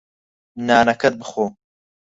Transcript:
نانەکەت بخۆ.